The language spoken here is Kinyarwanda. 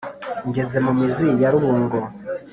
Ngeze mu mizi ya Rubungo,